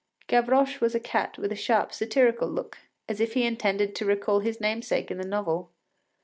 Gavroche was a cat with a sharp, satirical look, as if he intended to recall his namesake in the novel.